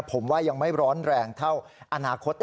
ผมว่ายังไม่ร้อนแรงเท่าอนาคต